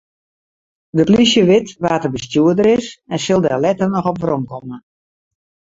De plysje wit wa't de bestjoerder is en sil dêr letter noch op weromkomme.